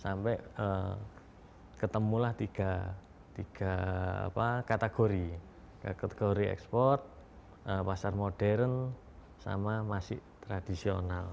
sampai ketemulah tiga kategori kategori ekspor pasar modern sama masih tradisional